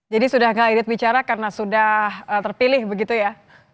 jadi sudah gak irit bicara karena sudah terpilih begitu ya